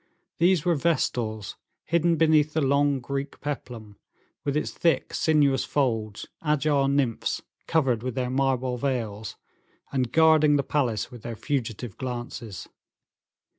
These were vestals hidden beneath the long Greek peplum, with its thick, sinuous folds; agile nymphs, covered with their marble veils, and guarding the palace with their fugitive glances.